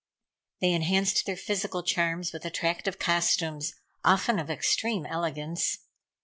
They enhanced their physical charms with attractive costumes, often of extreme elegance.